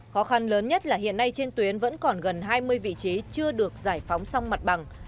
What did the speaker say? khó khăn lớn nhất là hiện nay trên tuyến vẫn còn gần hai mươi vị trí chưa được giải phóng xong mặt bằng